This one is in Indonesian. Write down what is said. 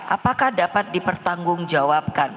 apakah dapat dipertanggung jawabkan